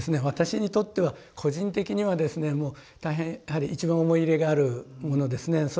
私にとっては個人的にはですねもう大変やはり一番思い入れがあるものですね。